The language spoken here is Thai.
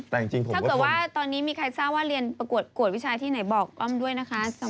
แต่ถ้าเกิดว่าตอนนี้มีใครทราบว่าเรียนประกวดวิชาที่ไหนบอกอ้อมด้วยนะคะ